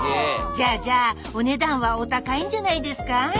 じゃあじゃあお値段はお高いんじゃないですか？